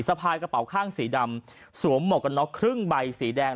พายกระเป๋าข้างสีดำสวมหมวกกันน็อกครึ่งใบสีแดง